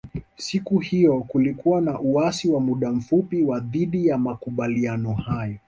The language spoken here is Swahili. Siku hiyo kulikuwa na uasi wa muda mfupi wa dhidi ya makubaliano hayo